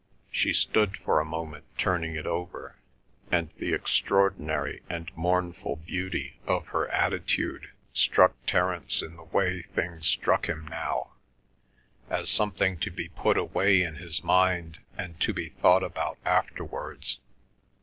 She stood for a moment turning it over, and the extraordinary and mournful beauty of her attitude struck Terence in the way things struck him now—as something to be put away in his mind and to be thought about afterwards.